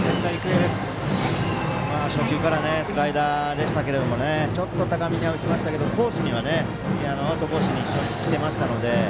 初球からスライダーでしたけどねちょっと高めには浮きましたけどアウトコースにきてましたので。